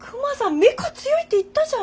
メカ強いって言ったじゃん。